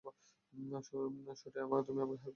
শুটু, তুমি আমাকে হেল্প করবে তো?